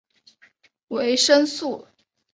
维生素。